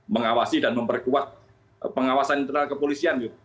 mengawasi dan memperkuat pengawasan internal kepolisian